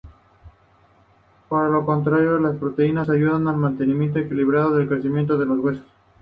Por lo contrario las proteínas ayudan al mantenimiento equilibrado del crecimiento de los huesos.